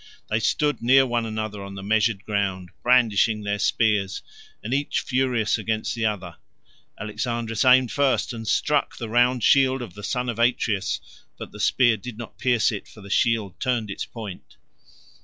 They stood near one another on the measured ground, brandishing their spears, and each furious against the other. Alexandrus aimed first, and struck the round shield of the son of Atreus, but the spear did not pierce it, for the shield turned its point.